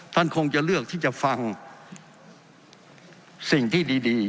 ท่านคงจะเลือกที่จะฟังสิ่งที่ดี